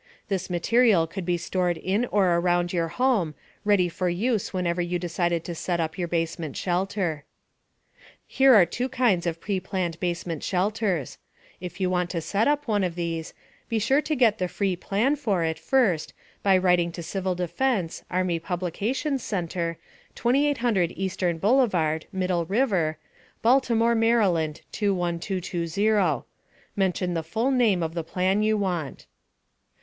This material could be stored in or around your home, ready for use whenever you decided to set up your basement shelter. Here are two kinds of preplanned basement shelters. If you want to set up one of these, be sure to get the free plan for it first by writing to Civil Defense, Army Publications Center, 2800 Eastern Blvd. (Middle River), Baltimore, Md. 21220. Mention the full name of the plan you want.